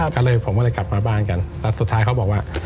ก็เลยผมก็เลยกลับมาบ้านกันแล้วสุดท้ายเขาบอกว่า